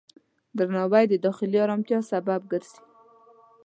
درناوی د داخلي آرامتیا سبب ګرځي.